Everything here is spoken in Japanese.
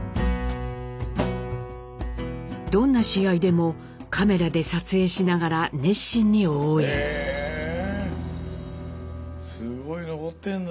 どんな試合でもカメラで撮影しながら熱心に応援。へすごい残ってんだ。